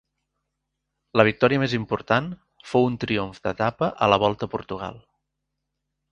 La victòria més important fou un triomf d'etapa a la Volta a Portugal.